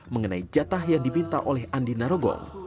mengenai jatah yang diminta oleh andi narogong